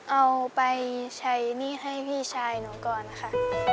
เอาไปใช้หนี้ให้พี่ชายหนูก่อนค่ะ